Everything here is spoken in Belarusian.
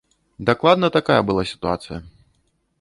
Дакладна такая была сітуацыя.